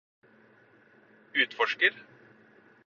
utforsker